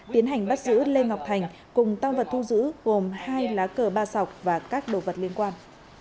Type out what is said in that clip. tiến hành bắt giữ lê ngọc thành cùng tăng vật thu giữ gồm hai lá cờ ba sọc và các đồ vật liên quan